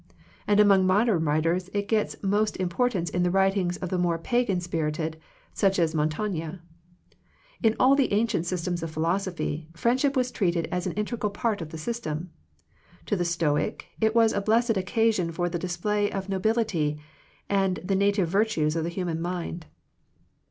And among modern writers it gets most im portance in the writings of the more Pagan spirited, such as Montaigne, In all the ancient systems of philosophy, friendship was treated as an integral part of the system. To the Stoic it was a blessed occasion for the display of nobil ity and the native virtues of the human mind.